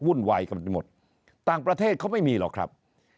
วุ่นวายกันไปหมดต่างประเทศเขาไม่มีหรอกครับ